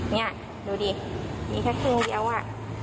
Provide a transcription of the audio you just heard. นี่ดูดิมีแค่ครึ่งเดียวอะ